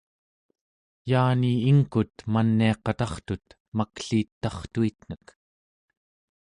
yaani ingkut maniaqatartut makliit tartuitnek